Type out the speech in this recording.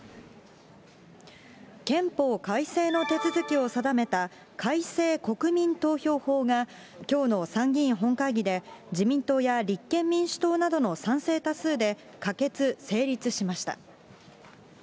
憲法改正の手続きを定めた改正国民投票法が、きょうの参議院本会議で、自民党や立憲民主党などの賛成多数で、可決・成立しました。